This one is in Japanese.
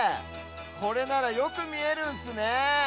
これならよくみえるんすねえ。